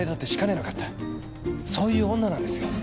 そういう女なんですよ。